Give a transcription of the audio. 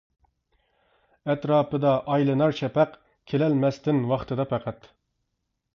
ئەتراپىدا ئايلىنار شەپەق كېلەلمەستىن ۋاقتىدا پەقەت.